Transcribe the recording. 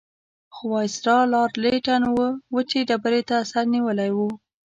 خو وایسرا لارډ لیټن وچې ډبرې ته سر نیولی وو.